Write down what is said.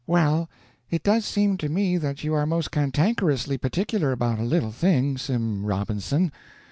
"Well, it does seem to me that you are most cantankerously particular about a little thing, Sim Robinson.